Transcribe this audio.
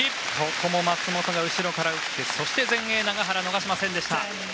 ここも松本が後ろから打ってそして前衛の永原逃しませんでした。